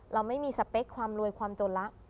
เราไม่มีสเปคความรวยความจนละ